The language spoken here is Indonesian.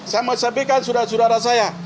saya mau sampaikan sudara sudara saya